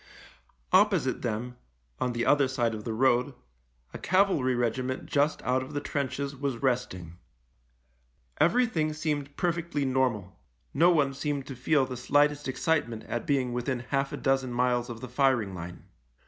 Opposite them, on the other side of the road, a cavalry regiment just out of the trenches was resting. Everything seemed perfectly normal — no one seemed to feel the slightest excitement at being within half a dozen miles of the firing line.